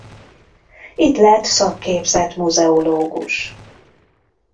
Itt lett szakképzett muzeológus.